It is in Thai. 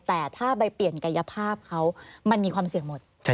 แต่ถ้าไปเปลี่ยนกายภาพเขามันมีความเสี่ยงหมด